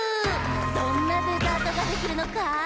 どんなデザートができるのか？